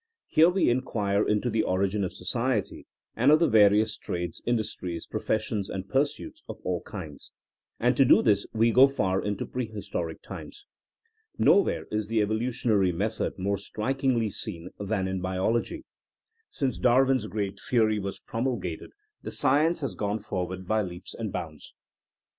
Here we inquire into the origin of society and of the various trades, in dustries, professions and pursuits of all kinds, and to do this we go far into prehistoric times. Nowhere is the evolutionary method more strikingly seen than in biology. Since Dar win's great theory was promulgated the science has gone forward by leaps and bounds.